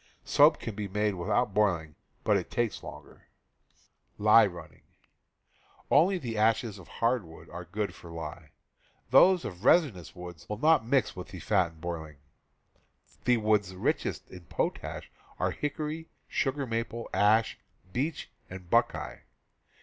Soap can be made without boiling, but it takes longer. Only the ashes of hardwoods are good for lye; those of resinous woods will not mix with the fat in boiling. ^. The woods richest in potash are hick ^'^* ory, sugar maple, ash, beech and buck eye.